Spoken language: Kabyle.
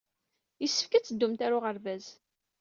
Yessefk ad teddumt ɣer uɣerbaz.